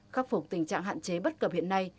khắc phục tình trạng hạn chế bất cập hiện nay